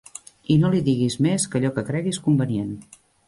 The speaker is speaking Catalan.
I no li digues més que allò que cregues convenient.